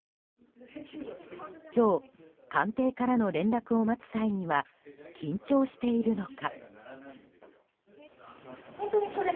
今日、官邸からの連絡を待つ際には緊張しているのか。